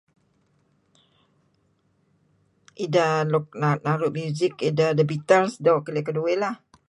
Idah nuk naru' music idah The Beatles doo' keli' keduih lah.